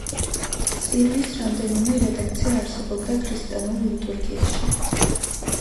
წირვის რამდენიმე რედაქცია არსებობდა ქრისტიანულ ლიტურგიაში.